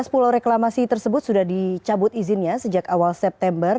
tujuh belas pulau reklamasi tersebut sudah dicabut izinnya sejak awal september